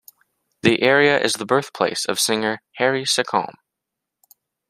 The area is the birthplace of singer Harry Secombe.